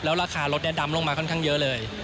ราคารถดำลงมาค่อนข้างเยอะเลย